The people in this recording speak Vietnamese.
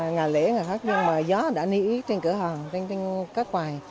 ngày lễ ngày khác gió đã níu trên cửa hàng trên các quài